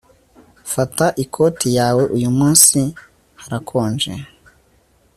Fata ikoti yawe Uyu munsi harakonje